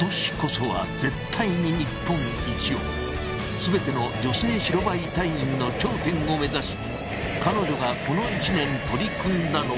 全ての女性白バイ隊員の頂点を目指し彼女がこの１年取り組んだのは。